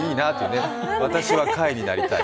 私は貝になりたい。